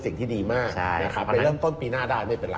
สิ่งที่ดีมากนะครับไปเริ่มต้นปีหน้าได้ไม่เป็นไร